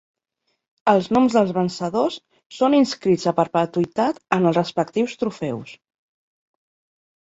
Els noms dels vencedors són inscrits a perpetuïtat en els respectius trofeus.